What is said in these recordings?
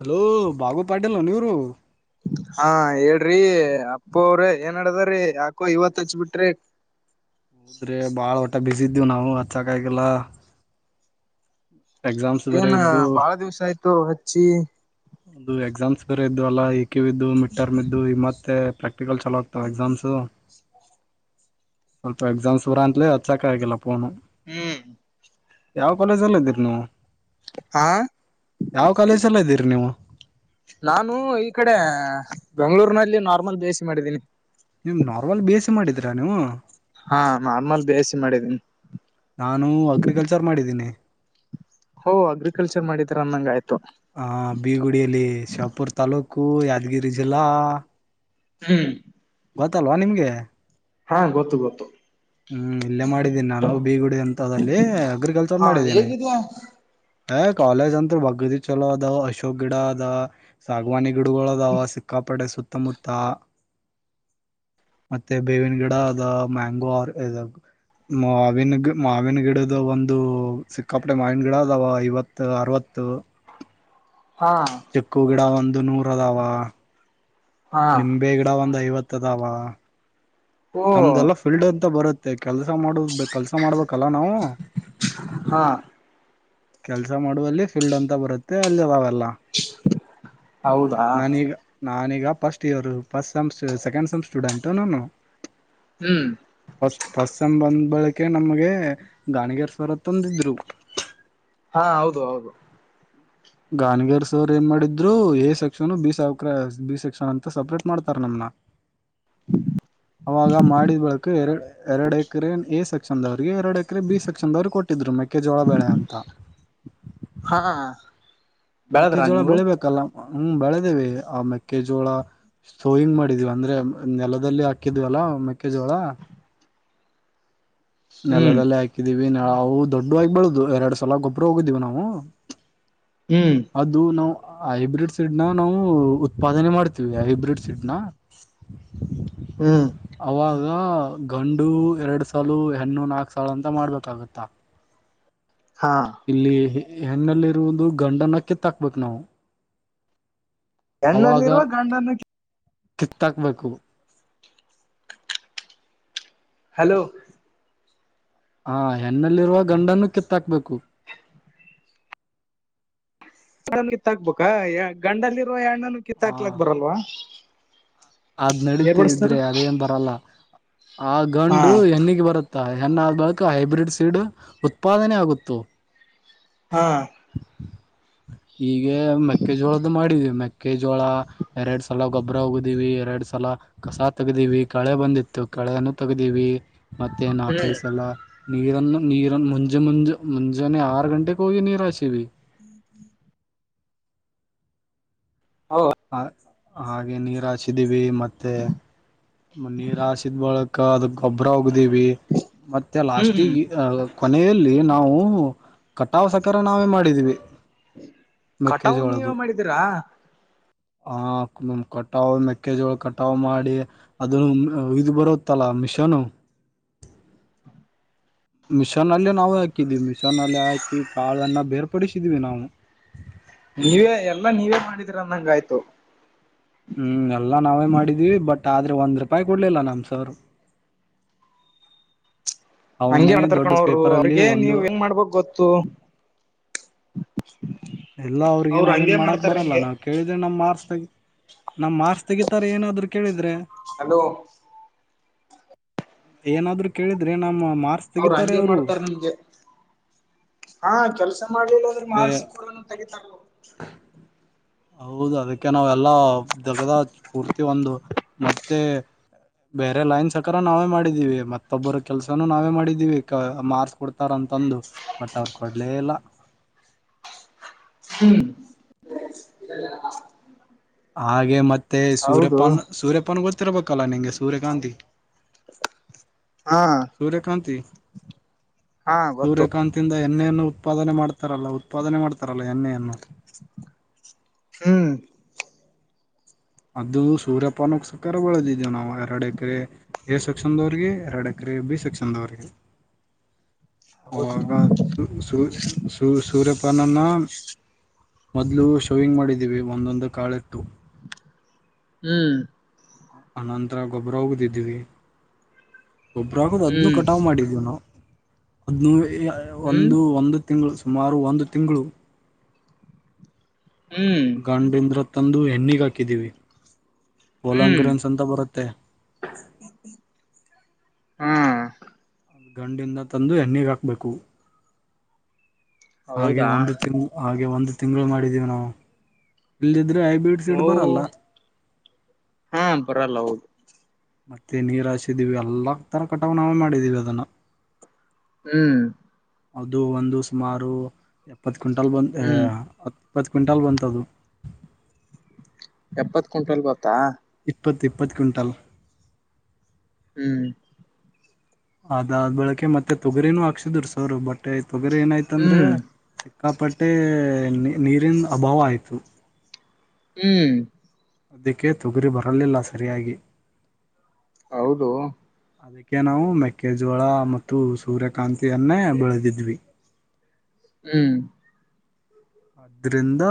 Hello Babu Patil ನೀವರು ಹಾ ಹೇಳ್ರಿ ಅಪ್ಪ ಅವ್ರ ಏನ ನಡದದ ದ್ರಿ ಯಾಕೋ ಇವತ್ ಹಚ್ಬಿಟ್ರಿ ಹೌದ್ರಿ ಬಾಳ ಹೊಟ ಬಿಸ ಇದೀವಿ ನಾವು ಹಚ್ಚಕ ಆಗಲ್ಲ ಏನ್ ಬಾಳ ದಿವ್ಸ ಆಯ್ತು ಹಚ್ಚಿ ಒಂದು ಎಕ್ಸಾಮ್ಸ್ ಬೇರೆ ಇದ್ದು ಅಲ್ಲ ಎ ಕಿವ ಇದ್ದು ಮಿಡ್ ಟರ್ಮ್ ಇದ್ದು ಇ ಮತ್ತೆ ಪ್ರಕ್ಟ ಪ್ರಾಕ್ಟಿಕಲ್ ಚಾಲು ಆಗ್ತವೆ ಎಕ್ಸಾಮ್ಸು ಸ್ವಲ್ಪ ಎಕ್ಸಾಮ್ಸ ಊರ ಅತ್ಲೇ ಹಚ್ಚಕ ಆಗಿಲ್ಲ ಫೋನು ಹ್ಮ್ ಯಾವ ಕಾಲೇಜಲ್ಲ ಇದೀರಿ ನೀವು ಹಾ ಯಾವ ಕಾಲೇಜಲ್ಲ ಇದೀರಿ ನೀವು ನಾನು ಈ ಕಡೆ ಬೆಂಗಳೂರಿನಲ್ಲಿ ನಾರ್ಮಲ್ ಬೇಸಿ ಮಾಡಿದ್ದೀನಿ ನೀಮ ನಾರ್ಮಲ್ ಬಿ ಎಸ್ ಇ ಮಾಡಿದ್ರ ನೀವು ಹಾ ನಾರ್ಮಲ್ ಬಿ ಎಸ್ ಸಿ ಮಾಡಿದ್ದೀನಿ ನಾನು ಅಗ್ರಿಕಲ್ಚರ್ ಮಾಡಿದ್ದೀನಿ ಓ ಅಗ್ರಿಕಲ್ಚರ್ ಮಾಡಿದ್ರ ಅನ್ನಂಗ ಆಯ್ತು [unintelligible] ಹ ಬೀಗುಡಿಯಲ್ಲಿ ಶಾಪುರ್ ತಾಲೂಕ ಕ್ಕೂ ಯಾದಗಿರಿ ಜಿಲ್ಲಾ ಹ್ಮ್ ಗೊತ್ತಲ್ವಾ ನಿಮ್ಗೆ ಹಾ ಗೊತ್ತು ಗೊತ್ತು ಹ್ಮ್ ಇಲ್ಲೇ ಮಾಡಿದ್ದೀನಿ ನಾನು ಬೀಗುಡಿ ಅಂತದಲ್ಲಿ ಅಗ್ರಿಕಲ್ಚರ್ ಹಾ ಮಾಡಿದ್ದೀನಿ ಹೇಗಿದ್ಯಾ ಏ ಕಾಲೇಜ ಅಂತ ಬಗ್ಗದಿ ಚಲೋ ಅದ್ ಅಶೋಕ್ ಗಿಡ ಅದ ಸಾಗವಾಣಿ ಗಿಡಗಳ ಅದಾವ ಸಿಕ್ಕ ಪಪಟ ಸುತ್ತಮುತ್ತ ಮತ್ತೆ ಬೇವಿನ ಗಿಡ ಅ ಮ್ಯಾಂಗೋ ಆರ್ ಇದುಾಗ ಮಾವಿನ ಗ ಮಾವಿನ ಗಿಡ್ದ ಒಂದು ಸಿಕ್ಕಾಪಟೆ ಮಾವಿನ ಗಿಡ ಅದವ ಐವತ್ತು ಅರವತ್ತು ತ [inaudible] ಹಾ ಚಿಕ್ಕು ಗಿಡ ಒಂದು ನೂರ ಅದಾವ ಹಾ ನಿಂಬೆ ಗಿಡ ಒಂದ ಐವತ್ತದಾವ ಓ ನಮ್ದೆಲ್ಲಾ ಫೀಲ್ಡ್ ಅಂತ ಬರುತ್ತೆ ಕೆಲ್ಸ ಮಾಡುದ ಕೆಲ್ಸ ಮಾಡ್ಬೇಕಲ್ಲ ನಾವು ಹಾ ಕೆಲ್ಸ ಮಾಡುವಲ್ಲಿ ಫೀಲ್ಡ್ ಅಂತ ಬರುತ್ತೆ ಅಲ್ಲಿ [unintelligible] ಲ್ಲ ಹೌದಾ ನನೀಗ ನಾನೀಗ first year first semester second semester student ನನು ಹ್ಮ್ ಪ ಪಶ್ಚಂಬಧ ಬಳಕೆ ನಮಗೆ ಗಾಣಗೇರ್ ಸ್ವರ ತಂದಿದ್ರು ಹಾ ಹೌದು ಹೌದು ಗಾನಿಗರ ಸ ಅವರ್ ಏನ ಮಾಡಿದ್ರು ಎ ಸೆಕ್ಷನ್ ಬಿ ಸಾವಕ್ರ ಬಿ ಸೆಕ್ಷನ್ ಅಂತ ಸಪ್ರೇಟ್ ಮಾಡ್ತಾರ ನಮ್ನ ಅವಾಗ ಮಾಡಿದ ಬೆಳಕು ಎರಡ ಎರಡು ಎಕರೆ ಎ ಸೆಕ್ಷನ್ದವ ಎರಡು ಎಕರೆ ಬಿ ಸೆಕ್ಷನ್ವರು ಕೊಟ್ಟಿದ್ರು ಮೆಕ್ಕೆಜೋಳ ಬೆಳೆ ಅಂತ ಹಾ ಮಕ್ಕೆ ಬೆಳದ್ರ ಜೋಳ ನೀವು ಬೆಳಿಬೇಕಲ್ಲ ಹ್ಮ್ ಬೆಳೆದೇವಿ ಆ ಮೆಕ್ಕೆಜೋಳ ಸೋಯಿಂಗ ಮಾಡಿದೀವಿ ಅಂದ್ರೆ ನೆಲದಲ್ಲಿ ಹಾಕಿದ್ವಲ್ಲಾ ಮೆಕ್ಕೆಜೋಳ ಹ್ಮ್ ನೆಲಲ್ಲೇ ಹಾಕಿದೀವಿ ನಾ ಅವು ದೊಡ್ಡ ಆಗಬಳುದುದು ಎರಡು ಸಲ ಗೊಬ್ಬರು ಹೋಗಿದ್ದೀವಿ ನಾವು ಹ್ಮ್ ಅದು ನಾವು ಹೈಬ್ರಿಡ್ ಸಿಡ್ನ ನಾವು ಉತ್ಪಾದನೆ ಮಾಡ್ತೀವಿ ಹೈಬ್ರಿಡ್ ಸಿಡ್ನ ಹ್ಮ್ ಗಂಡು ಎರಡು ಸಾಲು ಹೆಣ್ಣು ನಾಕ್ ಸಾಲ ಅಂತ ಮಾಡ್ಬೇಕಾಗತ್ತಾ ಹಾ ಇಲ್ಲಿ ಹೆಣ್ಣಲ್ಲಿ ಇರುದು ಗಂಡನ ಕಿತ್ತಾಕ್ಬೇಕು ನಾವು ಅವಾಗ ಎಣ್ಣಲ್ಲಿರುವ ಗಂಡನ್ನು ಕಿತ್ತಾಕ್ಬೇಕು ಹಲೋ ಹಾ ಹೆಣ್ಣಲ್ಲಿರುವ ಗಂಡನ್ನು ಕಿತ್ತಾಕ್ಬೇಕು [unintelligible] ಎಣ ಕಿತ್ತ ಹಾಕ್ಬೇಕಾ ಗಂಡಲ್ಲಿರುವ ಹೆಣ್ಣನು ಕಿತ್ತ ಹ ಹಾಕ್ಲಾಕ್ ಬರಲ್ವಾ ಅದ್ ನಡೀತ ಏರ್ಬಡಿಸ್ತಾರ ಇದ್ರೆ ಅದೇನ್ ಬರಲ್ಲ ಆ ಹಾ ಗಂಡು ಹೆಣ್ಣಿಗೆ ಬರುತ್ತೆ ಹೆಣ್ಣ ಆದ ಬಳಕ ಹೈಬ್ರಿಡ್ ಸೀಡ್ ಉತ್ಪಾದನೆ ಆಗುತ್ತತ್ತು ಹ್ಮ್ ಈಗ ಮೆಕ್ಕೆಜೋಳದ್ದು ಮಾಡಿದವಿ ಮೆಕ್ಕೆಜೋಳ ಎರಡು ಸಲ ಗೊಬರ ಹೋಗುತ್ತ ತಗ್ದೀವಿ ಎರಡ್ ಸಲ ಕಸ ತೆಗ್ದೀವಿ ಕಳೆ ಬಂದಿತ್ತು ಕಳೆನು ತೆಗ್ದಿವವಿ ಮತ್ತೇ ನಾಕೈ ಹ್ಮ್ ಸಲ ನೀರನ್ನು ನೀರ ಮುಂಜೆ ಮುಂಜೆ ಮುಂಜೆಾನೆ ಆರ ಂಟೆ ಕೊೋಗ ನೀರಾಸಿವಿ [inaudible] ಓ ಹ ಹಾಗೆ ನೀರ್ ಹಾಸಿದೀವಿ ಮತ್ತೆ ನೀರ್ ಹಾಸಿದ್ ಬಳಕ್ ಅದು ಗೊಬ್ಬರ ಹೋಗ್ದೀವಿ ಮತ್ತುತ್ತೆ ಹ್ಮ್ ಲಾಸ್ಟಿಗೆ ಕೊನೆಯಲ್ಲಿ ನಾವು ಕಟಾಾವ ಸಕರ ನಾವೇ ಮಾಡಿದೀವಿ ಕಟೌನ್ ನೀವ ಮಾಡಿದೀರಾ ಹಮ ಕಟಾವು್ ಮೆಕ್ಕೆಜೋಳ ಕಟಾವು್ ಮಾಡಿ ಅದು ಇದು ಬರುತ್ತಲ್ಲ ಮಿಷನ್ ಮಿಷನ್ ಅಲ್ಲೇ ನಾವು ಹಾಕಿದೀವಿ ಮಿಷನ್ ಅಲ್ಲಿ ಹಾಕಿ ಕಾಳನ್ನ ಬೇರ್ಪಡಿಸಿದೀವಿ ನಾವು ಹ್ಮ ನೀವೇ ಎಲ್ಲಾ ನೀವೇ ಮಾಡಿದೀರ ಅಂದಂಗಾಯ್ತು ಹ್ಮ್ ಎಲ್ಲ ನಾವೇ ಮಾಡಿದೀವಿ ಬಟ್ ಆದ್ರೆ ಒಂದ್ ರೂಪಾಯಿ ಕೊಡ್ಲಿಲ್ಲ ನಮ್ ಸರ್ ಹಂಗಗೆ ಅವನೇ ಮಾಡ್ತಾರ್ ದೊಡ್ಡ ಕಣವರು ಪೇಪರ್ ಅಲ್ಲಿ ಅವ್ರಗ ಒಂದು ನೀವ್ ಹೆಂಗ್ ಮಾಡ್ಬೋಕ್ ಗೊತ್ತು ಎಲ್ಲಾ ಅವ್ರಿಗೆ ಅವ್ರು ನಾವ ಏನ್ ಹಂಗೆ ಮಾಡಾಕ್ ಮಾಡ್ತಾರ ಬರಲ್ಲ ನಿಮ್ಗೆ ನಾವ್ ಕೇಳಿದ್ರೆ ನಮ್ ಮಾರ್ಸ್ ತಗಿ ನಮ ಮಾರ್ಕ್ಸ್ ತೆಗತಾರೆ ಏನಾದ್ರು ಕೇಳಿದ್ರೆ ಹಲೋ ಏನಾದ್ರು ಕೇಳಿದ್ರೆ ನಮ್ಮ ಮಾರ್ಕ್ಸ್ ಅವ್ರ ತೆಗಿತಾರೆ ಹಂಗೆ ಅವರು ಮಾಡ್ತಾರ ನಮ್ಗೆ ಹಾ ಕೆಲ್ಸ ಮಾಡ್ಲಿಲ್ಲ ಆದ್ರೆ ಅದೇ ಮಾರ್ಕ್ಸ್ ಕೂಡ [unintelligible] ಹೌದು ಅದಕ್ಕೆ ನಾವೆಲ್ಲಾ ದಗದ ಪೂರ್ತಿ ಒಂದು ಮತ್ತೆ ಬೇರೆ ಲೈನ್ಸ್ ಸಕ ನಾವೇ ಮಾಡಿದೀವಿ ಮತ್ತೊಬ್ಬರ ಕೆಲ್ಸನ ನಾವೇ ಮಾಡಿದೀವಿ ಮಾರ್ಕ್ಸ್ ಕೊಡ್ತಾರಂತ ತಂದು ಬಟ್ ಅವ್ರ ಕೊಡ್ಲೇ ಇಲ್ಲ ಹ್ಮ್ ಹಾಗೆ ಮತ್ತೆ ಹೌದು ಸೂರ್ಯಪ್ಪನ್ ಸೂರ್ಯಪ್ಪನ್ ಗೊತ್ತ ಗೊತ್ತಿರಬೇಕಲ್ಲ ನಿನಗೆ ಸೂರ್ಯಕಾಂತಿ ಹಾ ಸೂರ್ಯಕಾಂತಿ ಹಾ ಗೊತ್ತು ಸೂರ್ಯಕಾಂತಿಂದ ಎನ್ನೆಯನ್ನು ಉತ್ಪಾದನೆ ಮಾಡತಾರಲ್ಲ ಉತ್ಪಾದನೆ ಮಾಡ್ತಾರ ತಲ ಎ ಅನ್ನು ಹ್ಮ್ ಅದು ಸೂರ್ಯಪಾನಕ್ ಸಕಾರ ಬಳೆದಿದ್ದೇವು ನಾವು ಎರಡು ಎಕರೆ ಎ ಸೆಕ್ಷನ್ದವ್ರಗೆ ಎರಡು ಎಕರೆ ಬಿ ಸೆಕ್ಕ್ಷನ್ಂದುವರಿಗೆರಿಗೆ ಅವಾಗ ಹೌದು ಸೂರ್ಯಪಣನ್ನ ಮೊದ್ಲು ಶೋವಿಂಗ್ ಮಾಡಿದ್ದೀವಿ ಒಂದೊಂದು ಕಾಳ ಇಟ್ಟು ಹ್ಮ್ ಆನಂತರ ಗೊಬ್ಬರ ಹೋಗದಿದ್ದೀವಿ ಗೊಬ್ಬ್ರ ಆಗದು ಅದನ್ನು ಹ್ಮ್ ಕಟಾವ್ ಮಾಡಿದೀವಿ ನಾವು ಅದ್ೂ ಹ್ಮ್ ಒಂದು ಒಂದು ತಿಂಗಳು ಸುಮಾರು ಒಂದು ತಿಂಗಳು ಹ್ಮ್ ಗಂಡಿದು ತಂದು ಹೆಣ್ಣಿಗ ಹಾಕಿದೀವಿ ಹ್ಮ್ ಹೊಲಂಗರದಂತೆ ಭಾರತೆ ಹ್ಮ್ ಅದು ಗಂಡಿಂದ ತಂದು ಎಣ್ಣಿಗೆ ಹಾಕಬೇಕು ಹಾಗೆ ಹೌದಾ ಒಂದು ತಿಂಗ್ ಹಾಗೆ ಒಂದು ತಿಂಗಳು ಮಾಡಿದ್ದೀವಿ ನಾವು ಇಲ್ಲ ಹೈಬ್ರಿಡ್ ಓ ಸಡ್ ಬರಲ್ಲ ಹಾ ಬರಲ್ಲ ಹೌದು ಮತ್ತೆ ನೀರು ಹಾಸಿದ್ದೀವಿ ಎಲ್ಲ ತರ ಕಟಾವ ನಾವೇ ಮಾಡಿದ್ದೀವಿ ಅದನ್ನು ಹ್ಮ್ ಹೌದು ಒಂದು ಸುಮಾರು ಎಪ್ಪತ್ ಕ್ವಿಂಟಲ್ ಬಂದು ಹ್ಮ್ ಇಪ್ಪತ್ತು ಕ್ವಿಂಟಾಲ್ ಬಂತದ್ದು. ಎಪ್ಪತ್ ಕ್ವಿಂಟಲ್ ಬಂತಾ ಇಪ್ಪತ್ ಇಪ್ಪತ್ತು ಕ್ವಿಂಟಲ್. ಹ್ಮ್ ಅದಾ ಆದ್ ಬೆಳಕೆ ಮತ್ತೆ ತೊಗರಿನೂ ಹಾಕ್ಸಿದ್ ಸರು ಬಟ್ ತೊಗರಿ ಏನಾಯ್ತಂದ್ರೆ ಹ್ಮ್ ಸಿಕ್ಕಪಟ್ಟೆ ನೀ ನಿರೀನ್ ಅಭಾವ ಆಯ್ತು ಹ್ಮ್ ಅದಕ್ಕೆೇ ತೊಗುರಿ ಬರಲಿಲ್ಲ ಸರಿಯಾಗಿ. ಹೌದು ಅದಕ್ಕೆ ನಾವು ಮೆಕ್ಕೆಜೋಳ ಮತ್ತು ಸೂರ್ಯಕಾಂತಿಯನ್ನೇ ಬೆಳೆದಿದ್ವಿ. ಹ್ಮ್ ಅದ್ರಿಂದ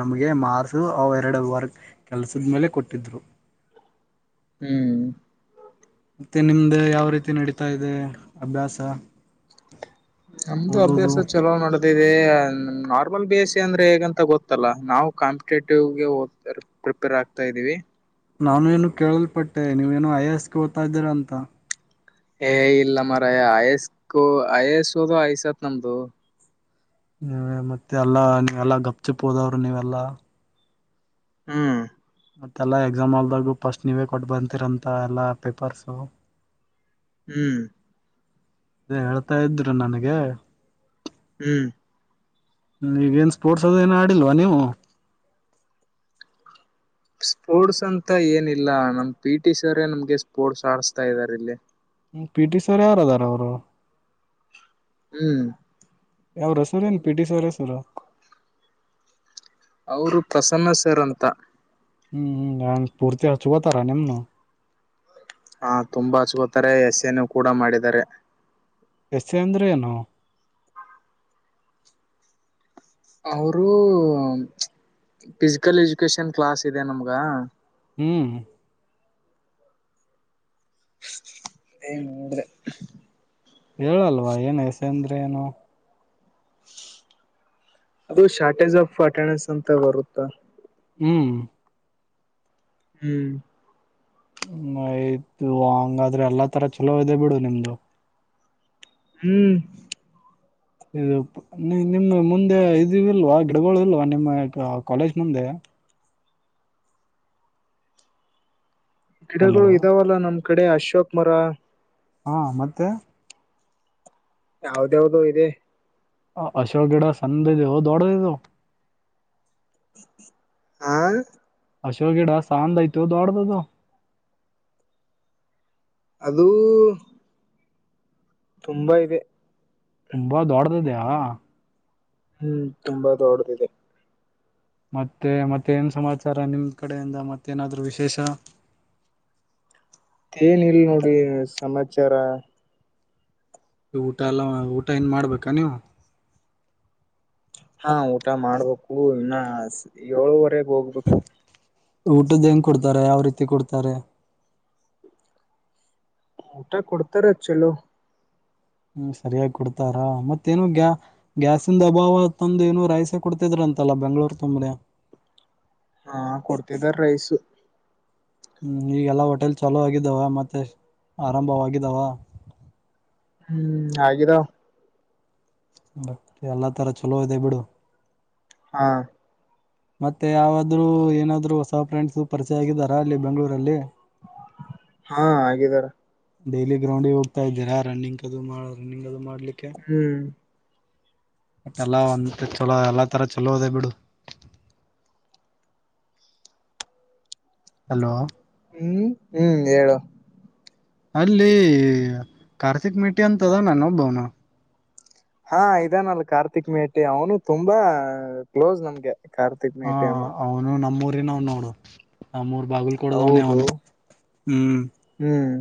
ನಮ್ಗೆ ಮಾರ್ಸು ಅವ ಎರಡು ವರ್ ಕೆಲ್ಸದ್ಮೇಲೆ ಕೊಟ್ಟ [unintelligible] ಹ್ಮ್ ಮತ್ತೆ ನಿಮ್ದ ಯಾವ ರೀತಿ ನಡೀತಾ ಇದೆ ಅಭ್ಯಾಸ. ನಮ್ದು ಅಭ್ಯಾಸ ಓದೋದು ಚಲೋ ನಡೆದಿದೆ. ನಾರ್ಮಲ್ ಬಿ ಎ ಸ್ಸಿ ಅಂದ್ರೆ ಹೇಗಂತ ಗೊತ್ತಲ್ಲ ನಾವು ಕಾಂಪಿಟೇಟಿವ್ಗೆ ಪ್ರಿಪೇರ್ ಆಗ್ತಾ ಇದೀವಿ. ನಾನೇನೂ ಕೇಳಲ್ಪಟ್ಟೆ ನೀವ್ ಏನು ಐ ಎಸ್ಗೆ ಓದ್ತ ಇದ್ದೀರಾ ಅಂತ. ಏ ಇಲ್ಲ ಮರಯಾ ಆಯಸ್ಕು ಆಯಸ್ ಓದೂಯಸ್ತ್ ನಮ್ದು. ನೀ ಮತ್ತೆ ಎಲ್ಲಾ ನೀವೆಲ್ಲಾ ಗಪ್ ಚಿಪ್ ಹೋದವ್ರರು ನೀವೆಲ್ಲಾ. ಹ್ಮ್ ಮತ್ತೆಲ್ಲ ಎಕ್ಸಾಮ್ ಆಲ್ದಾಗೂ ಫಸ್ಟ್ ನೀವೇ ಕೊಟ್ಟು ಬತ್ತಿರಂತಲ್ಲ ಎಲ್ಲ ಪೇಪರ್ಸು. ಹ್ಮ್ ಅದೆ ಹೇಳ್ತಾ ಇದ್ರು ನನ್ಗೆ. ಹ್ಮ್ ಹ್ಮ ಈಗೇನ್ ಸ್ಪೋರ್ಟ್ಸ್ ಅದು ಏನು ಆಡಿಲ್ವಾ ನೀವು. ಸ್ಪೋರ್ಟ್ಸ್ ಅಂತ ಏನಿಲ್ಲ ನಮ್ ಪಿ ಟಿ ಸರೇ ನಮ್ಗೆ ಸ್ಪೋರ್ಟ್ಸ್ ಆಡ್ಸ್ತಾ ಇದಾರೆ ಇಲ್ಲಿ. ಹ್ಮ ಪಿ ಟಿ ಸರ್ ಯಾರ್ ಇದಾರ್ ಅವ್ರು ಹ್ಮ್ ಯಾರ್ ಹೆಸ್ರ ನ್ ಪಿ ಟಿ ಸರ್ ಹೆಸ್ರು. ಅವ್ರು ಪ್ರಸನ್ನ ಸರ್ ಅಂತ. ಹ್ಮ್ ಪೂರ್ತಿ ಅಬ್ಗೋತಾರ ನಿಮ್ನು ಹಾ ತುಂಬಾ ಹಚ್ಕೊತಾರೆ ಎ ಸ್ಸೆ ನು ಕೂಡ ಮಾಡಿದರೆ. ಎಸ್ ಎ ಅಂದೆ ಏನು. ಅವ್ರು ಫಿಸಿಕಲ್ ಎಜುಕೇಶನ್ ಕ್ಲಾಸ್ ಇದೆ ನಮ್ಗ. ಹ್ಮ್ ಎ [unintelligible] ಹೇಳಲ್ವಾ ಏನ್ ಎಸ್ ಎ ಅಂದ್ರೆ ಏನು. ಅದು ಶಾರ್ಟೇಜ್ ಆಫ್ ಅಟೆಂಡ್ಡಸ್ ಅಂತ ಬರುತ್ತ. ಹ್ಮ್ ಹ್ಮ್ ಹ ಆಯ್ತು ಹಂಗಾದ್ರೆ ಎಲ್ಲಾ ತರ ಚಲೋ ಇದೆ ಬಿಡು ನಿಮ್ದು. ಹ್ಮ್ ಇದು ನಿಮ್ಮ್ ಮುಂದೆ ಇದು ಇಲ್ವಾ ಗಿಡಗಳು ಇಲ್ವಾ ನಿಮ್ಮ ಕಾಲೇಜ್ ಮುಂದೆ. ಹಲೋ ಗಿಡಗಳು ಇದಾವಲ್ಲಾ ನಮ್ ಕಡೆ ಅಶೋಕ್ ಮರ. ಹಾ ಮತ್ತೆ ಯಾವ್ದ್ ಯಾವ್ದು ಇದೆ. ಹ ಅಶೋಕ ಗಿಡ ಸಣ್ದ್ ಇದವೂ ದೊಡ್ದ ಇದವೂ ಹಾ ಅಶೋ ಗಿಡ ಸಾಂದ್ ಆಯ್ತೊ ದೊಡ್ದ ಇದೊ. ಅದೂ ತುಂಬಾ ಇದೆ. ತುಂಬಾ ದೊಡ್ಡದ ಇದ್ಯಾ ಹ್ಮ್ ತುಂಬಾ ದೊಡದಿದೆ ಮತ್ತೆ ಮತ್ತೆ ಏನ್ ಸಮಾಚಾರಾ ನಿಮ್ ಕಡೆಯಿಂದ ಮತ್ತೇಏನಾದ್ರು ವಿಶೇಷಾ. ಏನ ಇಲ್ಲ ನೋಡ್ರಿ ಸಮಾಚಾರಾ ಊಟ ಎಲ್ಲ ಊಟ ಇನ್ ಮಾಡ್ಬೇಕಾ ನೀವು ಹಾ ಊಟ ಮಾಡ್ಬೇಕು ಇನ್ನ ಏಳುವರೆಗ್ ಹೋಗ್ಬೇಕು ಊಟದ ಹೆಂಗ್ ಕೊಡ್ತಾರೆ ಯಾವ ರೀತಿ ಕೊಡ್ತಾರೆ. ಊಟಾ ಕೊಡ್ತಾರೆ ಚಲೋ. ಹ್ಮ್ ಸರಿಯಾಗಿ ಕೊಡ್ತಾರಾ ಮತ್ತೇನು ಗ್ಯಾ ಗ್ಯಾಸಂದ ಅಭಾವ ತಂದು ಏನು ರಾಯಸ ಕೊಡ್ತಿದ್ರ ಅಂತಲ್ಲ ಬೆಂಗ್ಳೂರು ತುಂಬ್ರೆಲಾ ಹಾ ಕೊಡ್ತಿದ್ದಾರ ರೈಸು ಹ್ಮ್ ಈಗೆಲ್ಲ ಹೋಟೆಲ್ ಚಲೋ ಆಗಿದ್ದಾವ ಮತ್ತೆ ಆರಂಭವಾಗಿದ್ದಾವಾ. ಹ್ಮ್ ಆಗಿದಾವ ಎಲ್ಲಾ ತರಾ ಚಲೋ ಅದಿ ಬಿಡು ಹಾ ಮತ್ತೆ ಯಾವುದಾದ್ರೂ ಏನಾದ್ರು ಹೊಸ ಫ್ರೆಂಡ್ಸ್ ಪರಿಚಯ ಆಗಿದಾರಾ ಅಲ್ಲಿ ಬೆಂಗಳೂರಲ್ಲಿ ಹಾ ಆಗಿದಾರ ಡೈಲಿ ಗ್ರೌಂಡ್ಗೆ ಹೋಗ್ತಾ ಇದೀರ ರನ್ನಿಂಗ್ ಅದು ಮಾಡ ರನ್ನಿಂಗ್ ಅದು ಮಾಡ ಹ್ಮ್ ಮತ್ತೆಲ್ಲ ಒಂದ ಚಲೋ ಎಲ್ಲಾ ತರ ಚಲೋ ಅದಿ ಬಿಡು ಹಲೋ ಹ್ಮ್ ಹ್ಮ್ ಹೆಳು ಅಲ್ಲಿ ಕಾರ್ತಿಕ್ ಮೇಠಿ ಅಂತದನ ಇನೋಬ್ಬವನು ಹಾ ಇದಾನಲ್ ಕಾರ್ತಿಕ್ ಮೇಟಿ ಅವನು ತುಂಬಾ ಕ್ಲೋಸ್ ನಮ್ಗೆ ಕಾರ್ತಿಕ್ ಹಾ ಮೇಟಿ ಅವನು ನಮ್ಮೂರಿನ್ ಅವ ನೋಡು ನಮ್ಮೂರ್ ಬಾಗಲಕೋಟ ದವನೇ ಹೌದು ಅವನು ಹ್ಮ್ ಹ್ಮ್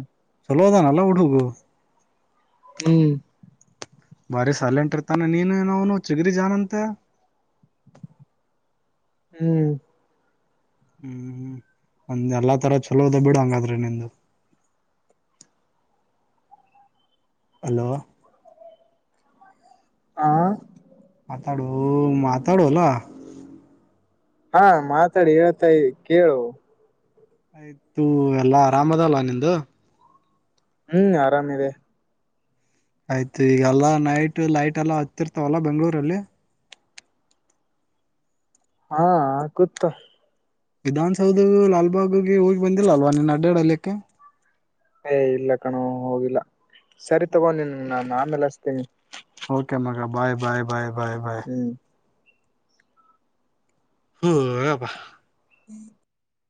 ಚಲೋದ ನಲ್ಲ ಹುಡುಗಾ ಹ್ಮ್ ಬಾರಿ ಸೈಲೆಟ್ ಇರತಾನ್ ನೀನು ಅವನು ಚಿಗರಿ ಜಾನಂತ ಹ್ಮ್ ಹ್ಮ್ ಒಂದ್ ಎಲ್ಲಾ ತರ ಚಲೋದ ಬಿಡ ಹಂಗಾದ್ರೆ ನಿಮ್ದ ಹಲೋ ಹಾ ಮಾತಾಡ ಮಾತಾಡಲೋ ಹಾ ಮಾತಾಡಿ ಹೇಳ್ತಾಯ ಕೇಳು. ಆಯ್ತು ಎಲ್ಲಾ ಆರಾಮ ಅದಲ್ಲ ನಿಂದು ಹ್ಮ್ ಆರಾಮಿದೆ ಆಯ್ತು ಈಗಲ್ಲಾ ನೈಟ್ ಲೈಟ್ ಎಲ್ಲ ಹತ್ತಿರ್ತವಲ್ಲ ಬೆಂಗಳೂರಲ್ಲಿ ಹಾ ಆಕೂತ್ತ್ ವಿಧಾನಸೌಧಗೂ ಲಾಲ್ಬಾಗ್ಗೆ ಹೋಗಿ ಬಂದಿಲ್ಲ ಅಲ್ವಾ ನಿನ್ನ ಅಡ್ಡಾಡಲಿಕ್ಕೆ ಏ ಇಲ್ಲ ಕಣೋ ಹೋಗಿಲ್ಲಾ ಸರಿ ತಗೋ ನಿನ್ ನಾನು ಆಮೇಲೆ ಹಸ್ತೇನಿ ಓಕೆ ಮಗಾ ಬಾಯ್, ಬಾಯ್, ಬಾಯ್, ಬಾಯ್ ಬಾಯ್. ಹ್ಮ್ ಹ್ಮಬಾ ಹ್ಮ್